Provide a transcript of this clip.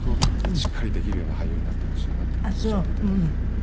しっかりできるような俳優になってほしいなっていう事をおっしゃって頂いて。